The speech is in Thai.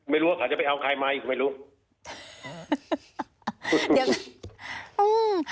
ไม่รู้ว่าเขาจะไปเอาใครมาอีกไม่รู้อืม